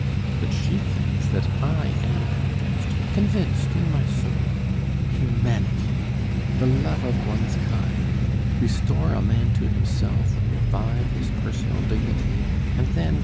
The chief thing is that I am convinced, convinced in my soul. Humanity ... the love of one's kind. Restore a man to himself, revive his personal dignity, and then